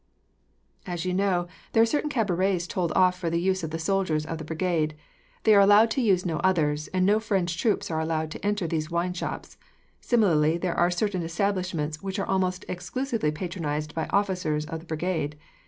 "As you know, there are certain cabarets told off for the use of the soldiers of the Brigade. They are allowed to use no others, and no French troops are allowed to enter these wine shops. Similarly, there are certain establishments which are almost exclusively patronized by officers of the Brigade.